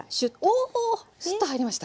おおスッと入りました。